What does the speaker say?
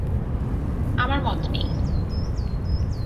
আমার মত নেই।